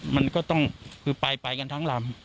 มันก็ต้องคือไปกันทั้งลำ